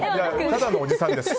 ただのおじさんです。